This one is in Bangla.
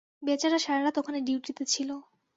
বেচারা সারারাত ওখানে ডিউটিতে ছিলো।